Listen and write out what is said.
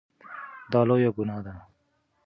دا لویه ګناه ده.